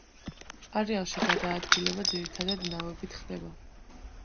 არეალში გადაადგილება ძირითადად ნავებით ხდება.